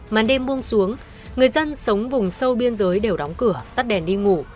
màn đêm buông xuống người dân sống vùng sâu biên giới đều đóng cửa tắt đèn đi ngủ